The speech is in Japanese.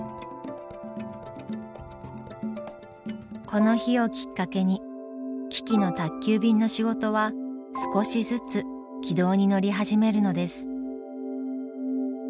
この日をきっかけにキキの宅急便の仕事は少しずつ軌道に乗り始めるのです。